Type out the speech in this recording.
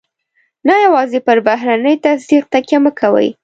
نو يوازې پر بهرني تصديق تکیه مه کوئ.